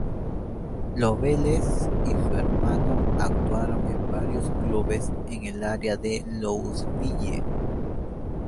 Loveless y su hermano actuaron en varios clubes en el área de Louisville.